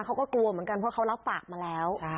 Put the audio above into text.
เขาก็กลัวเหมือนกันเพราะเขารับปากมาแล้ว